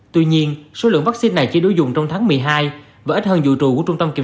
tuy nhiên số lượng vaccine này chỉ đối dụng trong tháng một mươi hai và ít hơn vụ trù của trung tâm kiểm